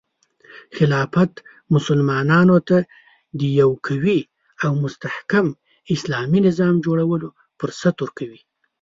خلافت مسلمانانو ته د یو قوي او مستحکم اسلامي نظام جوړولو فرصت ورکوي.